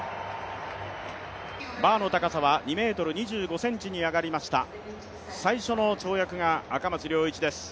バーの高さは２ｍ２５ｃｍに上がりました、最初の跳躍が赤松諒一です。